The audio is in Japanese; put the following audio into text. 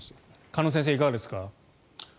鹿野先生、いかがですか。